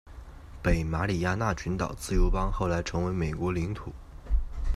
北马里亚纳群岛自由邦后来成为美国领土。